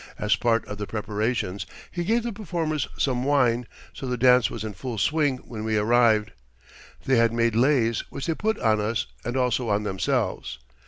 As part of the preparations, he gave the performers some wine, so the dance was in full swing when we arrived. They had made leis, which they put on us and also on themselves.